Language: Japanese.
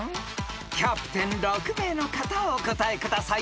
［キャプテン６名の方お答えください］